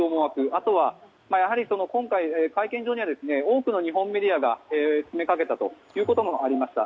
あとは今回、会見場には多くの日本メディアが詰めかけたということもありました。